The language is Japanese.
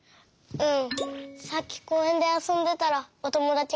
うん。